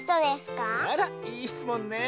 あらいいしつもんね。